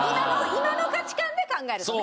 今の価値観で考えるとね。